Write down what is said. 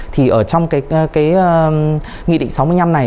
thì ở trong cái nghị định sáu mươi năm này